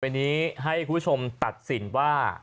ทุกวันนี้ให้คุณชมตัดสินว่า